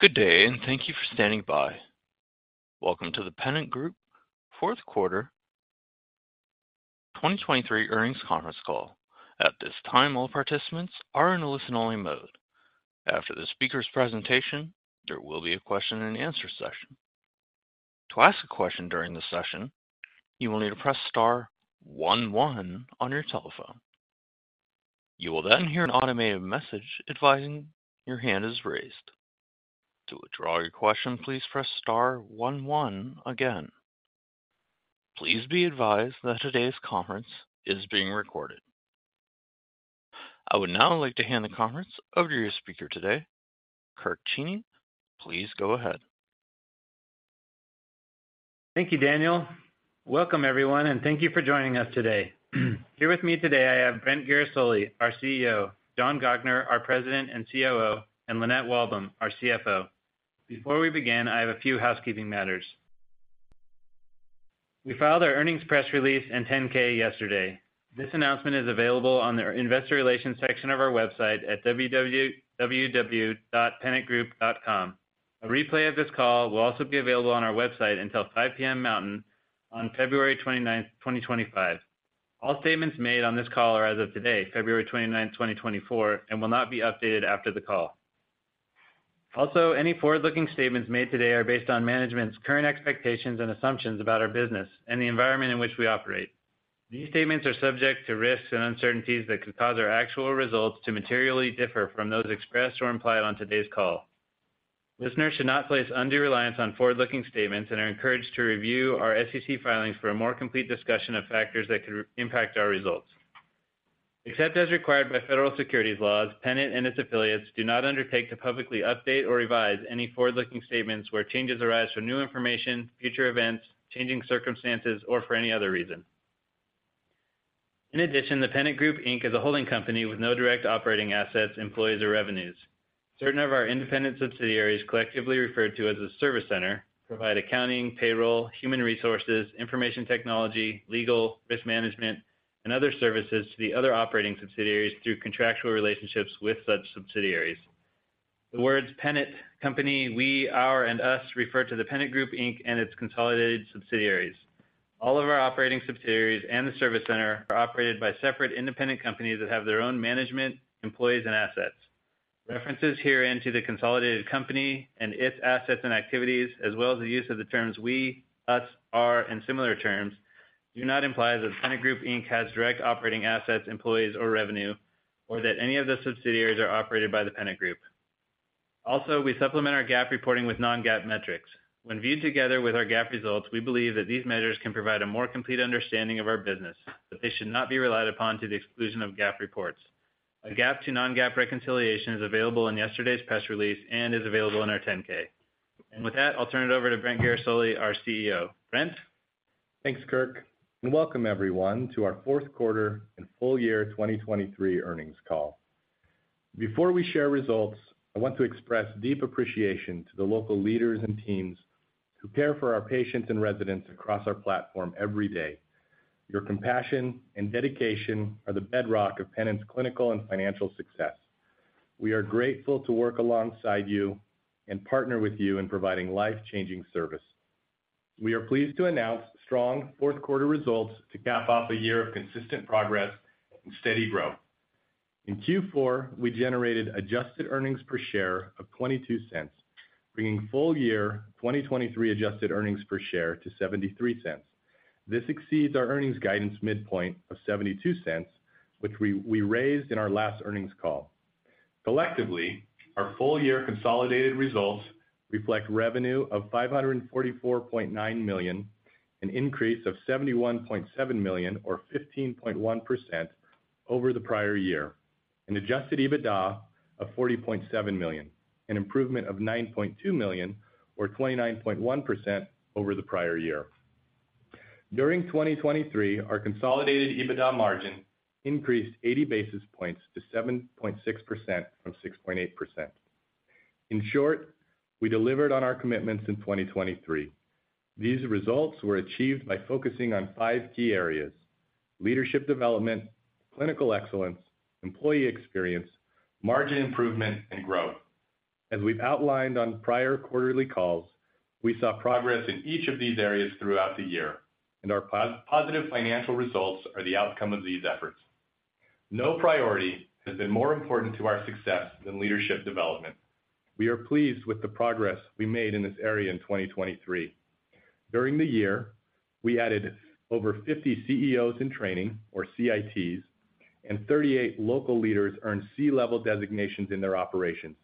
Good day and thank you for standing by. Welcome to the Pennant Group 4th Quarter 2023 earnings conference call. At this time, all participants are in a listen-only mode. After the speaker's presentation, there will be a question-and-answer session. To ask a question during the session, you will need to press star 11 on your telephone. You will then hear an automated message advising your hand is raised. To withdraw your question, please press star 11 again. Please be advised that today's conference is being recorded. I would now like to hand the conference over to your speaker today. Kirk Cheney, please go ahead. Thank you, Daniel. Welcome, everyone, and thank you for joining us today. Here with me today I have Brent Guerisoli, our CEO; John Gochnour, our President and COO; and Lynette Walbom, our CFO. Before we begin, I have a few housekeeping matters. We filed our earnings press release and 10-K yesterday. This announcement is available on the Investor Relations section of our website at www.pennantgroup.com. A replay of this call will also be available on our website until 5:00 P.M. Mountain on February 29, 2025. All statements made on this call are as of today, February 29, 2024, and will not be updated after the call. Also, any forward-looking statements made today are based on management's current expectations and assumptions about our business and the environment in which we operate. These statements are subject to risks and uncertainties that could cause our actual results to materially differ from those expressed or implied on today's call. Listeners should not place undue reliance on forward-looking statements and are encouraged to review our SEC filings for a more complete discussion of factors that could impact our results. Except as required by federal securities laws, Pennant and its affiliates do not undertake to publicly update or revise any forward-looking statements where changes arise from new information, future events, changing circumstances, or for any other reason. In addition, the Pennant Group, Inc., is a holding company with no direct operating assets, employees, or revenues. Certain of our independent subsidiaries, collectively referred to as a service center, provide accounting, payroll, human resources, information technology, legal, risk management, and other services to the other operating subsidiaries through contractual relationships with such subsidiaries. The words Pennant, Company, We, Our, and Us refer to The Pennant Group, Inc., and its consolidated subsidiaries. All of our operating subsidiaries and the service center are operated by separate independent companies that have their own management, employees, and assets. References herein to the consolidated company and its assets and activities, as well as the use of the terms We, Us, Our, and similar terms, do not imply that The Pennant Group, Inc., has direct operating assets, employees, or revenue, or that any of the subsidiaries are operated by the Pennant Group. Also, we supplement our GAAP reporting with non-GAAP metrics. When viewed together with our GAAP results, we believe that these measures can provide a more complete understanding of our business, but they should not be relied upon to the exclusion of GAAP reports. A GAAP to non-GAAP reconciliation is available in yesterday's press release and is available in our 10-K. With that, I'll turn it over to Brent Guerisoli, our CEO. Brent? Thanks, Kirk. And welcome, everyone, to our 4th Quarter and full year 2023 earnings call. Before we share results, I want to express deep appreciation to the local leaders and teams who care for our patients and residents across our platform every day. Your compassion and dedication are the bedrock of Pennant's clinical and financial success. We are grateful to work alongside you and partner with you in providing life-changing service. We are pleased to announce strong 4th Quarter results to cap off a year of consistent progress and steady growth. In Q4, we generated adjusted earnings per share of $0.22, bringing full year 2023 adjusted earnings per share to $0.73. This exceeds our earnings guidance midpoint of $0.72, which we raised in our last earnings call. Collectively, our full year consolidated results reflect revenue of $544.9 million, an increase of $71.7 million or 15.1% over the prior year, an Adjusted EBITDA of $40.7 million, an improvement of $9.2 million or 29.1% over the prior year. During 2023, our consolidated EBITDA margin increased 80 basis points to 7.6% from 6.8%. In short, we delivered on our commitments in 2023. These results were achieved by focusing on five key areas: leadership development, clinical excellence, employee experience, margin improvement, and growth. As we've outlined on prior quarterly calls, we saw progress in each of these areas throughout the year, and our positive financial results are the outcome of these efforts. No priority has been more important to our success than leadership development. We are pleased with the progress we made in this area in 2023. During the year, we added over 50 CEOs in training or CITs, and 38 local leaders earned C-level designations in their operations,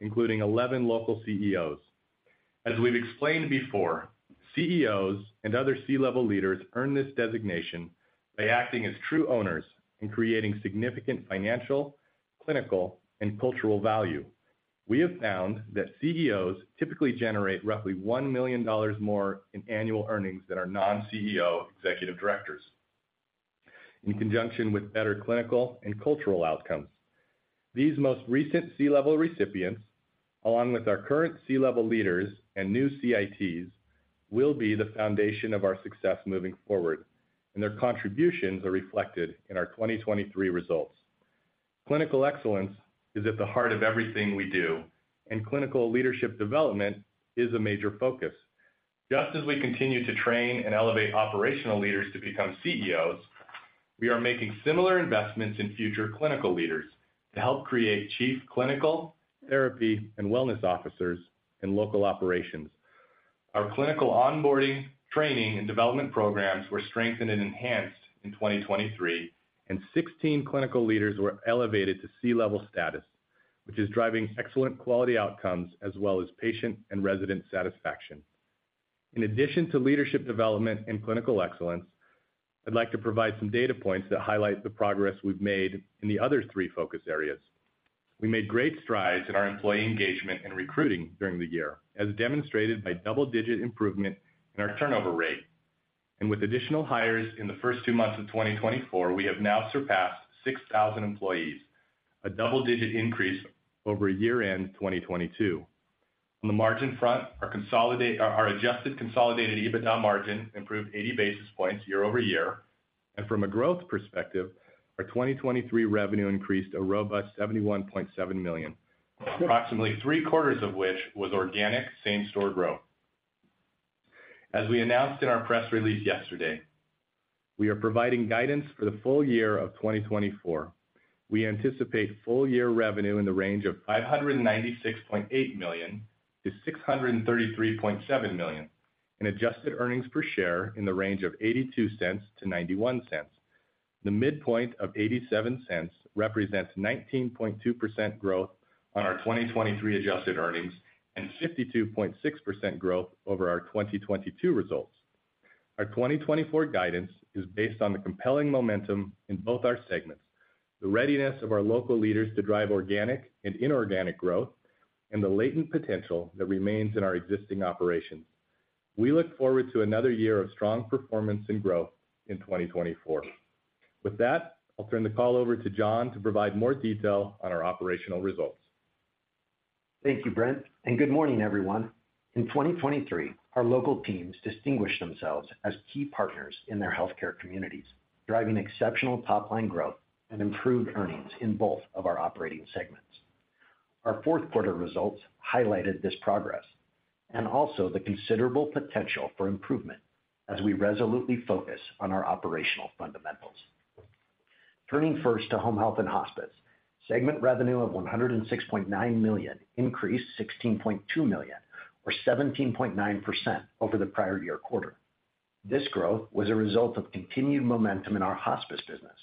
including 11 local CEOs. As we've explained before, CEOs and other C-level leaders earn this designation by acting as true owners and creating significant financial, clinical, and cultural value. We have found that CEOs typically generate roughly $1 million more in annual earnings than our non-CEO executive directors, in conjunction with better clinical and cultural outcomes. These most recent C-level recipients, along with our current C-level leaders and new CITs, will be the foundation of our success moving forward, and their contributions are reflected in our 2023 results. Clinical excellence is at the heart of everything we do, and clinical leadership development is a major focus. Just as we continue to train and elevate operational leaders to become CEOs, we are making similar investments in future clinical leaders to help create chief clinical, therapy, and wellness officers in local operations. Our clinical onboarding, training, and development programs were strengthened and enhanced in 2023, and 16 clinical leaders were elevated to C-level status, which is driving excellent quality outcomes as well as patient and resident satisfaction. In addition to leadership development and clinical excellence, I'd like to provide some data points that highlight the progress we've made in the other three focus areas. We made great strides in our employee engagement and recruiting during the year, as demonstrated by double-digit improvement in our turnover rate. And with additional hires in the first two months of 2024, we have now surpassed 6,000 employees, a double-digit increase over year-end 2022. On the margin front, our adjusted consolidated EBITDA margin improved 80 basis points year-over-year. From a growth perspective, our 2023 revenue increased a robust $71.7 million, approximately three-quarters of which was organic same-store growth. As we announced in our press release yesterday, we are providing guidance for the full year of 2024. We anticipate full-year revenue in the range of $596.8 million-$633.7 million, and adjusted earnings per share in the range of $0.82-$0.91. The midpoint of $0.87 represents 19.2% growth on our 2023 adjusted earnings and 52.6% growth over our 2022 results. Our 2024 guidance is based on the compelling momentum in both our segments, the readiness of our local leaders to drive organic and inorganic growth, and the latent potential that remains in our existing operations. We look forward to another year of strong performance and growth in 2024. With that, I'll turn the call over to John to provide more detail on our operational results. Thank you, Brent. And good morning, everyone. In 2023, our local teams distinguished themselves as key partners in their healthcare communities, driving exceptional top-line growth and improved earnings in both of our operating segments. Our fourth quarter results highlighted this progress and also the considerable potential for improvement as we resolutely focus on our operational fundamentals. Turning first to home health and hospice, segment revenue of $106.9 million increased $16.2 million or 17.9% over the prior year quarter. This growth was a result of continued momentum in our hospice business,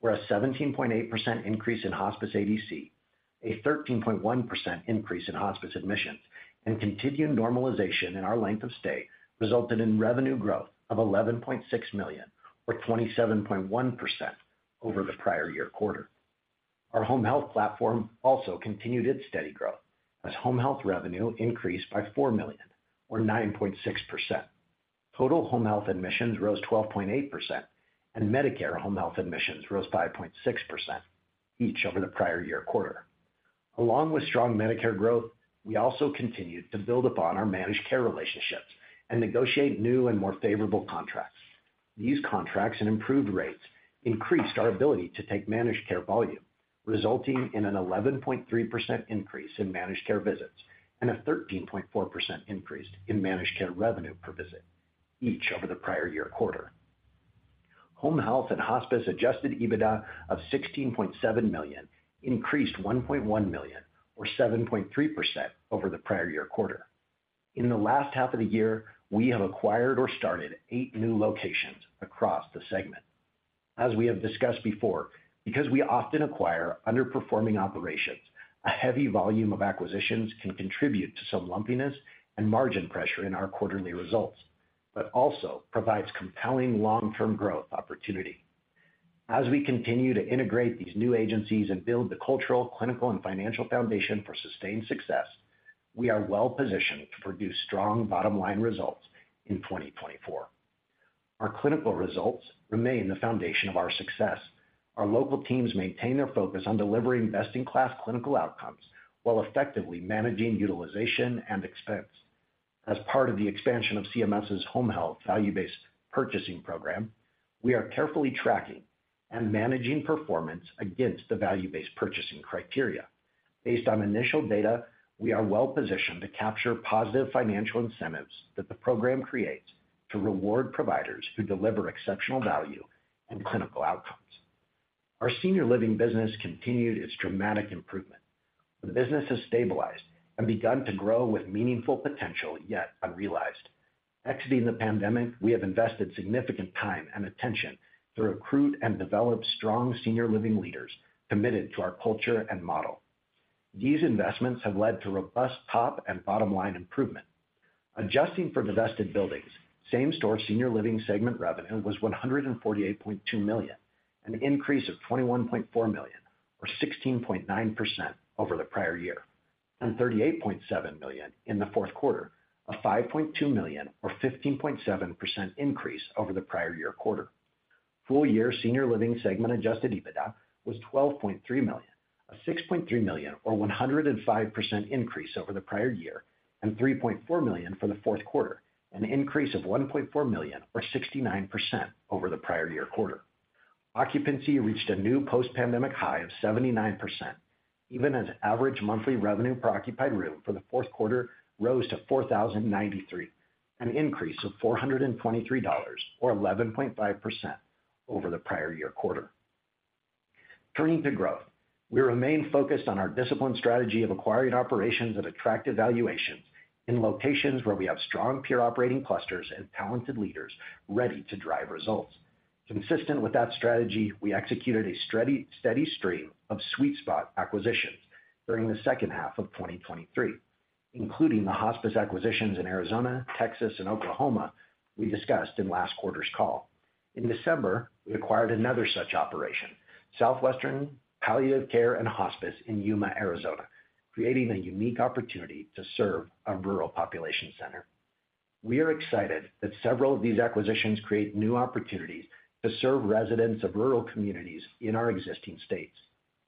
where a 17.8% increase in hospice ADC, a 13.1% increase in hospice admissions, and continued normalization in our length of stay resulted in revenue growth of $11.6 million or 27.1% over the prior year quarter. Our home health platform also continued its steady growth as home health revenue increased by $4 million or 9.6%. Total home health admissions rose 12.8%, and Medicare home health admissions rose 5.6% each over the prior year quarter. Along with strong Medicare growth, we also continued to build upon our managed care relationships and negotiate new and more favorable contracts. These contracts and improved rates increased our ability to take managed care volume, resulting in an 11.3% increase in managed care visits and a 13.4% increase in managed care revenue per visit, each over the prior year quarter. Home health and hospice Adjusted EBITDA of $16.7 million increased $1.1 million or 7.3% over the prior year quarter. In the last half of the year, we have acquired or started eight new locations across the segment. As we have discussed before, because we often acquire underperforming operations, a heavy volume of acquisitions can contribute to some lumpiness and margin pressure in our quarterly results, but also provides compelling long-term growth opportunity. As we continue to integrate these new agencies and build the cultural, clinical, and financial foundation for sustained success, we are well-positioned to produce strong bottom-line results in 2024. Our clinical results remain the foundation of our success. Our local teams maintain their focus on delivering best-in-class clinical outcomes while effectively managing utilization and expense. As part of the expansion of CMS's Home Health Value-Based Purchasing Program, we are carefully tracking and managing performance against the value-based purchasing criteria. Based on initial data, we are well-positioned to capture positive financial incentives that the program creates to reward providers who deliver exceptional value and clinical outcomes. Our senior living business continued its dramatic improvement. The business has stabilized and begun to grow with meaningful potential yet unrealized. Exiting the pandemic, we have invested significant time and attention to recruit and develop strong senior living leaders committed to our culture and model. These investments have led to robust top and bottom-line improvement. Adjusting for divested buildings, same-store senior living segment revenue was $148.2 million, an increase of $21.4 million or 16.9% over the prior year, and $38.7 million in the 4th Quarter, a $5.2 million or 15.7% increase over the prior year quarter. Full year senior living segment Adjusted EBITDA was $12.3 million, a $6.3 million or 105% increase over the prior year, and $3.4 million for the 4th Quarter, an increase of $1.4 million or 69% over the prior year quarter. Occupancy reached a new post-pandemic high of 79%, even as average monthly revenue per occupied room for the 4th Quarter rose to $4,093, an increase of $423 or 11.5% over the prior year quarter. Turning to growth, we remain focused on our disciplined strategy of acquiring operations at attractive valuations in locations where we have strong peer operating clusters and talented leaders ready to drive results. Consistent with that strategy, we executed a steady stream of sweet spot acquisitions during the second half of 2023, including the hospice acquisitions in Arizona, Texas, and Oklahoma we discussed in last quarter's call. In December, we acquired another such operation, Southwestern Palliative Care and Hospice in Yuma, Arizona, creating a unique opportunity to serve a rural population center. We are excited that several of these acquisitions create new opportunities to serve residents of rural communities in our existing states.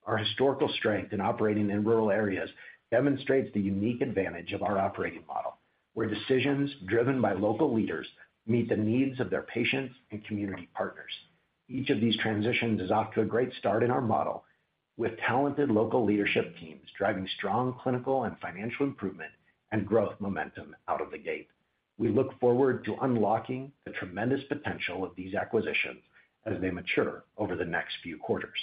Our historical strength in operating in rural areas demonstrates the unique advantage of our operating model, where decisions driven by local leaders meet the needs of their patients and community partners. Each of these transitions is off to a great start in our model, with talented local leadership teams driving strong clinical and financial improvement and growth momentum out of the gate. We look forward to unlocking the tremendous potential of these acquisitions as they mature over the next few quarters.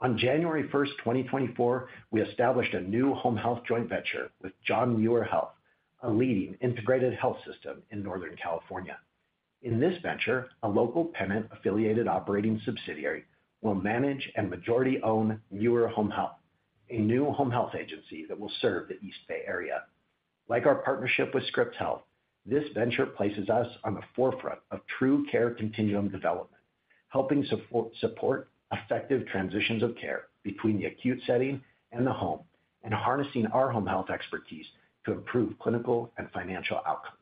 On January 1st, 2024, we established a new home health joint venture with John Muir Health, a leading integrated health system in Northern California. In this venture, a local Pennant affiliated operating subsidiary will manage and majority own Muir Home Health, a new home health agency that will serve the East Bay Area. Like our partnership with Scripps Health, this venture places us on the forefront of true care continuum development, helping support effective transitions of care between the acute setting and the home and harnessing our home health expertise to improve clinical and financial outcomes.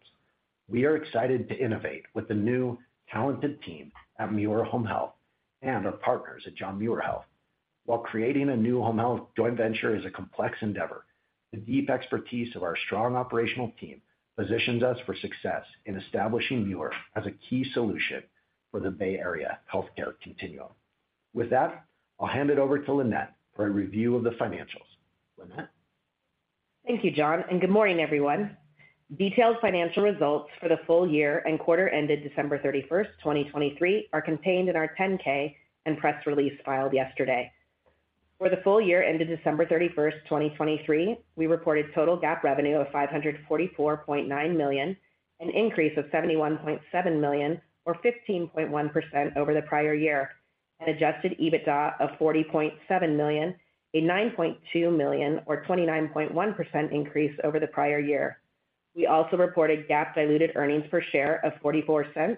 We are excited to innovate with the new talented team at Muir Home Health and our partners at John Muir Health. While creating a new home health joint venture is a complex endeavor, the deep expertise of our strong operational team positions us for success in establishing Muir as a key solution for the Bay Area healthcare continuum. With that, I'll hand it over to Lynette for a review of the financials. Lynette? Thank you, John. And good morning, everyone. Detailed financial results for the full year and quarter ended December 31st, 2023, are contained in our 10-K and press release filed yesterday. For the full year ended December 31st, 2023, we reported total GAAP revenue of $544.9 million, an increase of $71.7 million or 15.1% over the prior year, and Adjusted EBITDA of $40.7 million, a $9.2 million or 29.1% increase over the prior year. We also reported GAAP diluted earnings per share of $0.44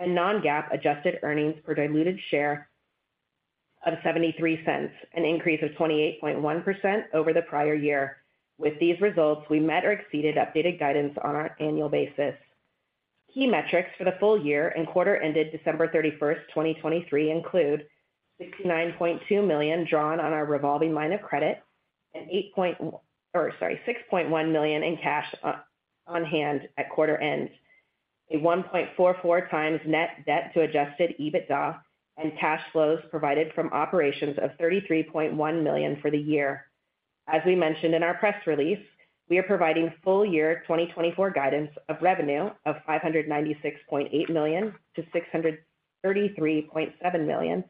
and non-GAAP adjusted earnings per diluted share of $0.73, an increase of 28.1% over the prior year. With these results, we met or exceeded updated guidance on our annual basis. Key metrics for the full year and quarter ended December 31st, 2023, include $69.2 million drawn on our revolving line of credit and $8.1 or sorry, $6.1 million in cash on hand at quarter ends, a 1.44 times net debt to Adjusted EBITDA, and cash flows provided from operations of $33.1 million for the year. As we mentioned in our press release, we are providing full year 2024 guidance of revenue of $596.8 million-$633.7 million,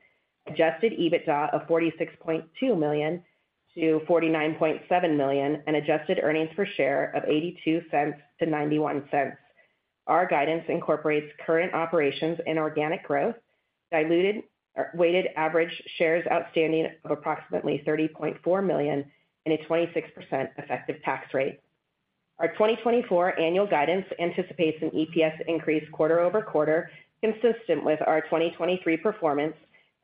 Adjusted EBITDA of $46.2 million-$49.7 million, and adjusted earnings per share of $0.82-$0.91. Our guidance incorporates current operations in organic growth, diluted or weighted average shares outstanding of approximately 30.4 million and a 26% effective tax rate. Our 2024 annual guidance anticipates an EPS increase quarter-over-quarter consistent with our 2023 performance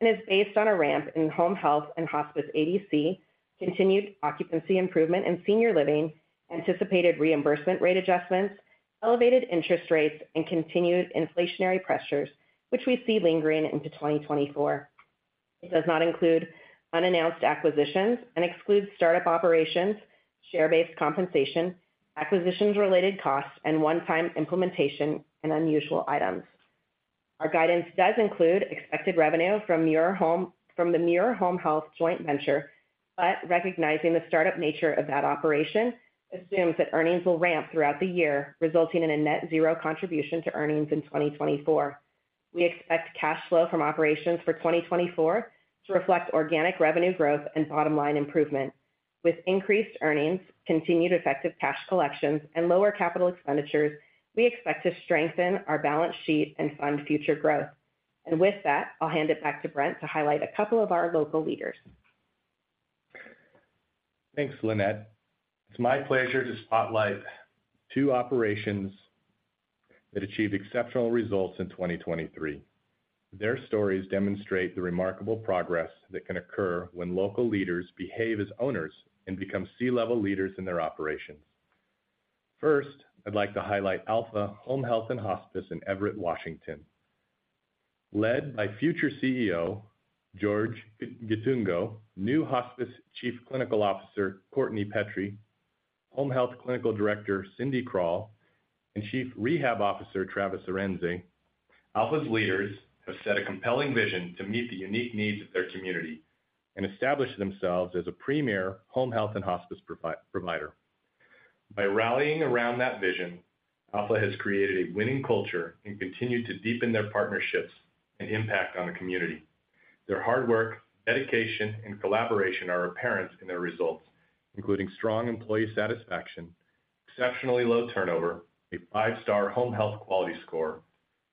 and is based on a ramp in home health and hospice ADC, continued occupancy improvement in senior living, anticipated reimbursement rate adjustments, elevated interest rates, and continued inflationary pressures, which we see lingering into 2024. It does not include unannounced acquisitions and excludes startup operations, share-based compensation, acquisitions-related costs, and one-time implementation and unusual items. Our guidance does include expected revenue from the Muir Home Health joint venture, but recognizing the startup nature of that operation assumes that earnings will ramp throughout the year, resulting in a net zero contribution to earnings in 2024. We expect cash flow from operations for 2024 to reflect organic revenue growth and bottom-line improvement. With increased earnings, continued effective cash collections, and lower capital expenditures, we expect to strengthen our balance sheet and fund future growth. With that, I'll hand it back to Brent to highlight a couple of our local leaders. Thanks, Lynette. It's my pleasure to spotlight two operations that achieved exceptional results in 2023. Their stories demonstrate the remarkable progress that can occur when local leaders behave as owners and become C-level leaders in their operations. First, I'd like to highlight Alpha Home Health and Hospice in Everett, Washington. Led by future CEO George Gitungo, new Hospice Chief Clinical Officer Kortney Petry, Home Health Clinical Director Cindy Krall, and Chief Rehab Officer Travis Arendse, Alpha's leaders have set a compelling vision to meet the unique needs of their community and establish themselves as a premier home health and hospice provider. By rallying around that vision, Alpha has created a winning culture and continued to deepen their partnerships and impact on the community. Their hard work, dedication, and collaboration are apparent in their results, including strong employee satisfaction, exceptionally low turnover, a five-star home health quality score,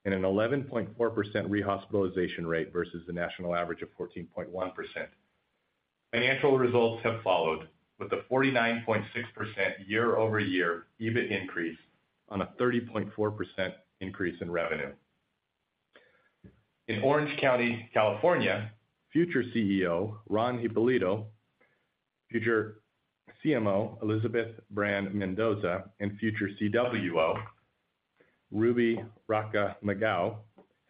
and an 11.4% rehospitalization rate versus the national average of 14.1%. Financial results have followed, with a 49.6% year-over-year EBIT increase on a 30.4% increase in revenue. In Orange County, California, future CEO Rhon Hipolito, future CMO Elizabeth Brann-Mendoza, and future CWO Ruby Racca-Magao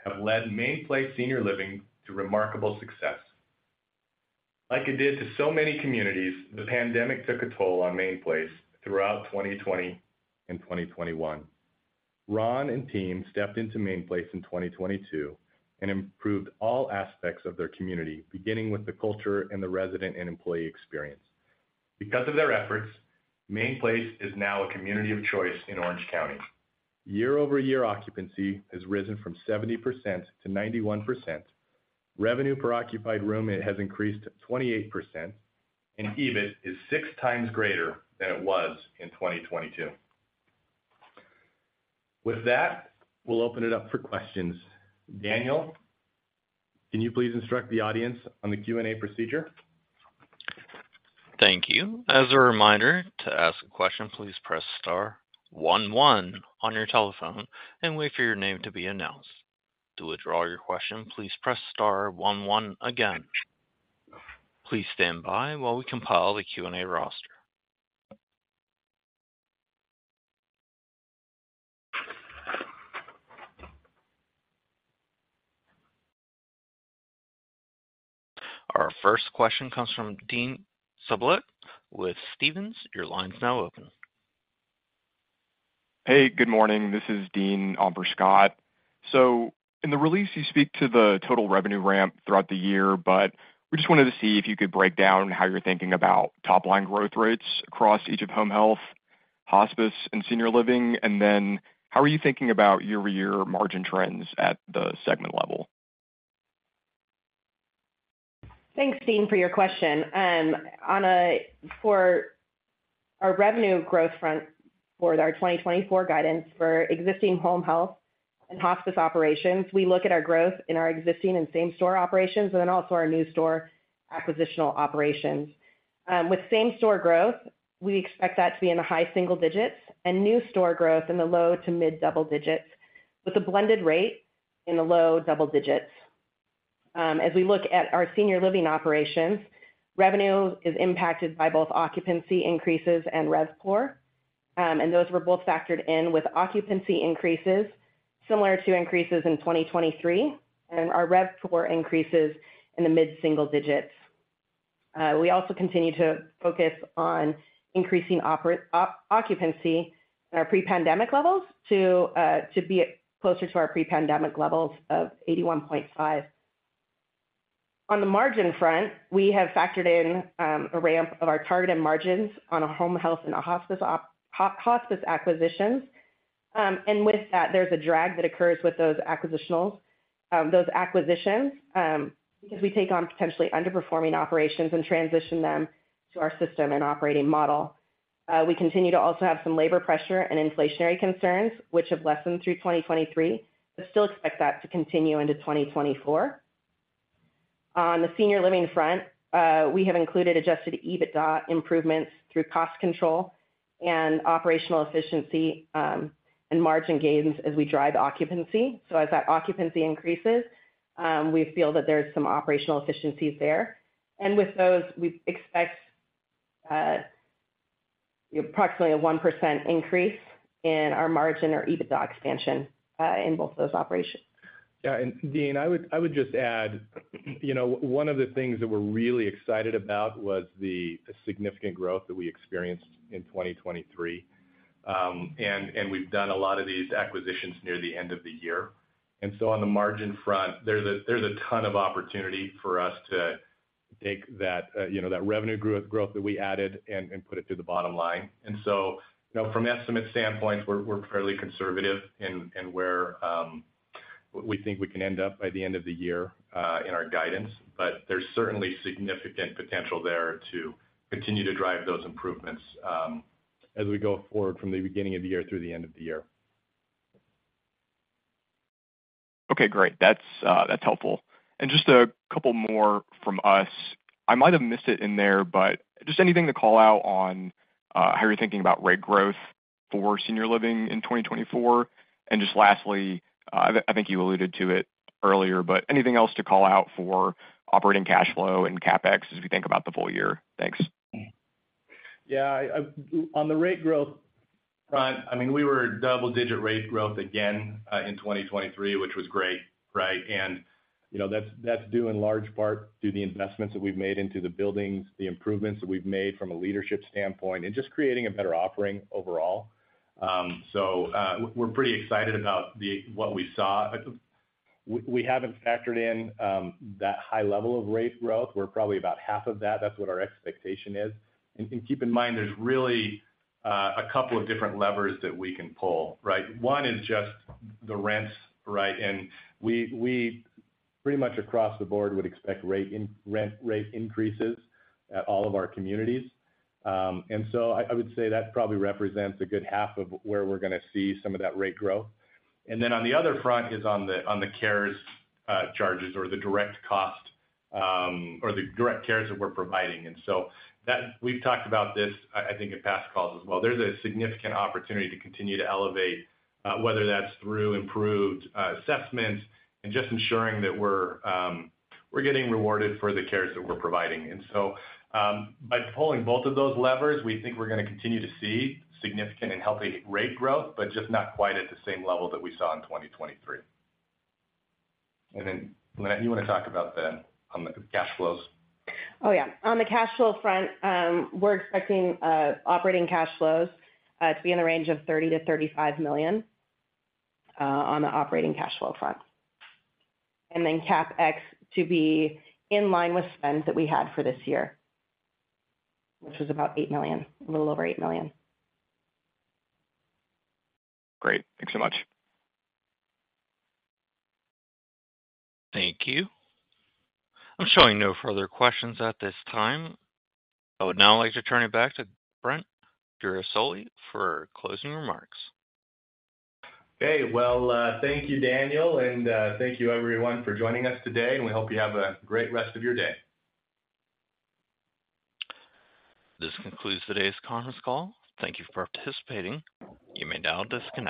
have led Mainplace Senior Living to remarkable success. Like it did to so many communities, the pandemic took a toll on Mainplace throughout 2020 and 2021. Ron and team stepped into Mainplace in 2022 and improved all aspects of their community, beginning with the culture and the resident and employee experience. Because of their efforts, Mainplace is now a community of choice in Orange County. Year-over-year occupancy has risen from 70% to 91%, revenue per occupied room has increased 28%, and EBIT is 6 times greater than it was in 2022. With that, we'll open it up for questions. Daniel, can you please instruct the audience on the Q&A procedure? Thank you. As a reminder, to ask a question, please press star 11 on your telephone and wait for your name to be announced. To withdraw your question, please press star 11 again. Please stand by while we compile the Q&A roster. Our first question comes from Dean Sublett with Stephens. Your line's now open. Hey, good morning. This is Dean Sublett. So in the release, you speak to the total revenue ramp throughout the year, but we just wanted to see if you could break down how you're thinking about top-line growth rates across each of home health, hospice, and senior living, and then how are you thinking about year-over-year margin trends at the segment level? Thanks, Dean, for your question. For our revenue growth front for our 2024 guidance for existing home health and hospice operations, we look at our growth in our existing and same-store operations and then also our new-store acquisitional operations. With same-store growth, we expect that to be in the high single digits and new-store growth in the low to mid-double digits, with a blended rate in the low double digits. As we look at our Senior Living operations, revenue is impacted by both occupancy increases and RevPOR, and those were both factored in with occupancy increases similar to increases in 2023 and our RevPOR increases in the mid-single digits. We also continue to focus on increasing occupancy in our pre-pandemic levels to be closer to our pre-pandemic levels of 81.5%. On the margin front, we have factored in a ramp of our targeted margins on home health and hospice acquisitions. And with that, there's a drag that occurs with those acquisitions because we take on potentially underperforming operations and transition them to our system and operating model. We continue to also have some labor pressure and inflationary concerns, which have lessened through 2023, but still expect that to continue into 2024. On the senior living front, we have included Adjusted EBITDA improvements through cost control and operational efficiency and margin gains as we drive occupancy. So as that occupancy increases, we feel that there's some operational efficiencies there. And with those, we expect approximately a 1% increase in our margin or EBITDA expansion in both those operations. Yeah. Dean, I would just add one of the things that we're really excited about was the significant growth that we experienced in 2023. We've done a lot of these acquisitions near the end of the year. So on the margin front, there's a ton of opportunity for us to take that revenue growth that we added and put it through the bottom line. So from estimate standpoints, we're fairly conservative in where we think we can end up by the end of the year in our guidance. But there's certainly significant potential there to continue to drive those improvements as we go forward from the beginning of the year through the end of the year. Okay. Great. That's helpful. Just a couple more from us. I might have missed it in there, but just anything to call out on how you're thinking about rate growth for senior living in 2024? Just lastly, I think you alluded to it earlier, but anything else to call out for operating cash flow and CapEx as we think about the full year? Thanks. Yeah. On the rate growth front, I mean, we were double-digit rate growth again in 2023, which was great, right? And that's due in large part to the investments that we've made into the buildings, the improvements that we've made from a leadership standpoint, and just creating a better offering overall. So we're pretty excited about what we saw. We haven't factored in that high level of rate growth. We're probably about half of that. That's what our expectation is. And keep in mind, there's really a couple of different levers that we can pull, right? One is just the rents, right? And we pretty much across the board would expect rate increases at all of our communities. And so I would say that probably represents a good half of where we're going to see some of that rate growth. And then on the other front is on the cares charges or the direct cost or the direct cares that we're providing. And so we've talked about this, I think, in past calls as well. There's a significant opportunity to continue to elevate, whether that's through improved assessments and just ensuring that we're getting rewarded for the cares that we're providing. And so by pulling both of those levers, we think we're going to continue to see significant and healthy rate growth, but just not quite at the same level that we saw in 2023. And then, Lynette, you want to talk about the cash flows? Oh, yeah. On the cash flow front, we're expecting operating cash flows to be in the range of $30 million-$35 million on the operating cash flow front. And then CapEx to be in line with spend that we had for this year, which was about $8 million, a little over $8 million. Great. Thanks so much. Thank you. I'm showing no further questions at this time. I would now like to turn it back to Brent Guerisoli for closing remarks. Okay. Well, thank you, Daniel. Thank you, everyone, for joining us today. We hope you have a great rest of your day. This concludes today's conference call. Thank you for participating. You may now disconnect.